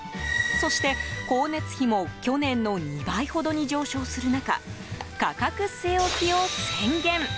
そして光熱費も去年の２倍ほどに上昇する中価格据え置きを宣言。